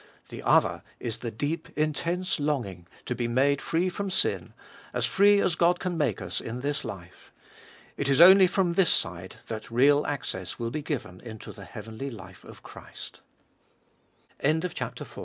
The other is the deep, intense longing to be made free from sin, as free as God can make us in this life. It is only from this side that real access will be given into the heavenly life of C